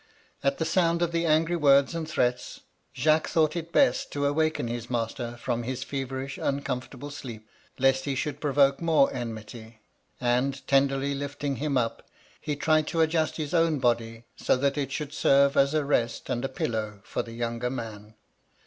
At the sound of the angry words and threats, Jacques thought it best to awaken his master from his feverish uncom fortable sleep, lest he should provoke more enmity; and, tenderly lifting him up, he tried to adjust his own body, so that it should serve as a rest and a pillow for the younger man.